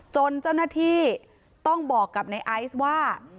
จนเจ้าหน้าที่ต้องบอกกับในไอซ์ว่า